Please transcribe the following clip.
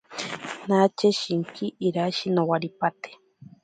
Nache shinki irashi nowaripate.